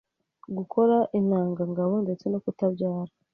gukora intangangabo ndetse no kutabyara